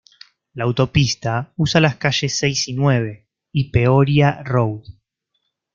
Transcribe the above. La autopista usa las calles seis y nueve, y Peoria Road.